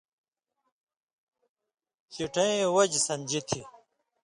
چِٹئیں وجہۡ سَن٘دُژیۡ تھی